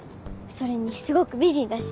それにすごく美人だし。